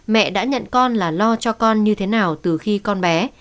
mẹ đã nhận con là lo cho con như thế nào từ khi con bé